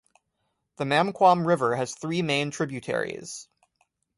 The Mamquam River has three main tributaries.